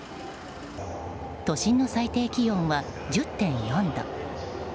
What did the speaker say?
都心の最低気温は１０．４度。